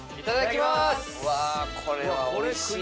うわこれはおいしい